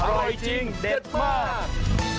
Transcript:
อร่อยจริงเด็ดมาก